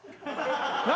何？